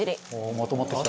「まとまってきた」